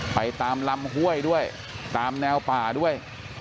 ไปตามลำห้วยด้วยตามแนวป่าด้วย